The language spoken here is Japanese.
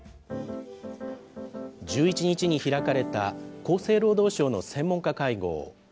１１日に開かれた厚生労働省の専門家会合。